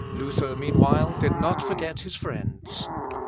Luther, meanwhile, did not forget his friends.